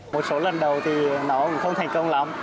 một số lần đầu thì nó cũng không thành công lắm